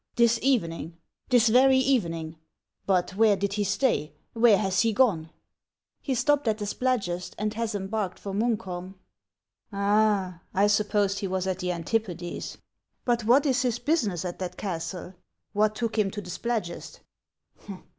"This evening, — this very evening! But where did he stay ? Where has he gone ?" "He stopped at the Spladgest, and has embarked for Munkholm." HAXS OF ICELAND. 45 " Ah ! I supposed he was at the antipodes. But what is his business at that castle ? What took him to the Splad gest